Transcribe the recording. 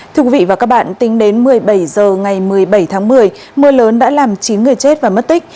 thưa quý vị và các bạn tính đến một mươi bảy h ngày một mươi bảy tháng một mươi mưa lớn đã làm chín người chết và mất tích